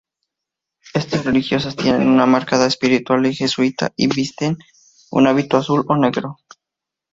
Estas religiosas tienen una marcada espiritualidad jesuita y visten un hábito azul o negro.